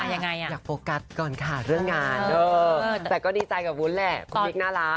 ยังไงอ่ะอยากโฟกัสก่อนค่ะเรื่องงานแต่ก็ดีใจกับวุ้นแหละคุณบิ๊กน่ารัก